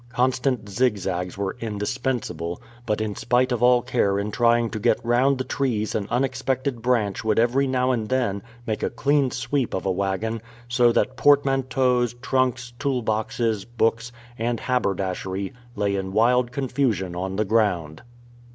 Constant zigzags were indispensable, but in spite of all care in trying to get round the trees an unexpected branch would every now and then make a clean sweep of a waggon, so that port manteaus, trunks, tool boxes, books, and haberdashery lay in wild confusion on the ground.